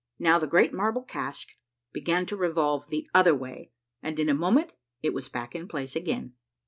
Now the great marble cask began to revolve the other way and in a moment it was back in place again.